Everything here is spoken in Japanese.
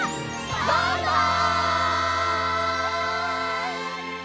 バイバイ！